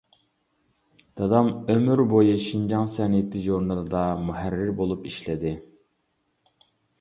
دادام ئۆمۈر بويى «شىنجاڭ سەنئىتى» ژۇرنىلىدا مۇھەررىر بولۇپ ئىشلىدى.